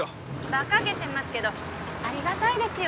バカげてますけどありがたいですよ